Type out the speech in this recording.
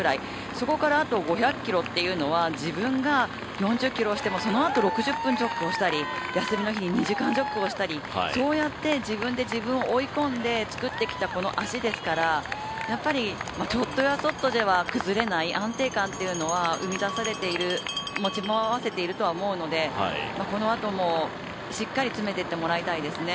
そこからあと５００ｋｍっていうのは自分が４０ｋｍしてもそのあと６０分ジョグをしたり休みの日に２時間ジョグをしたりそうやって自分で自分を追い込んで作ってきたこの足ですからやっぱり、ちょっとやそっとでは崩れない安定感っていうのは生み出されている持ち合わせているとは思うのでこのあともしっかり詰めていってもらいたいですね。